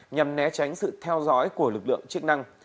nhằm né tránh sự theo dõi của lực lượng chức năng